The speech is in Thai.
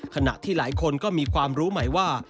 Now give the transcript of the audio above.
ขณะที่หลายคนก็มีความรู้ใหม่ว่า